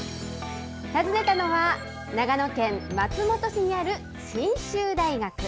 訪ねたのは、長野県松本市にある信州大学。